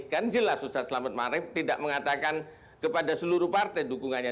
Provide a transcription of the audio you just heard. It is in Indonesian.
kan jelas ustaz selamat ma'arif tidak mengatakan kepada seluruh partai dukungannya